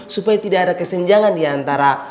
supaya tidak ada kesenjangan diantara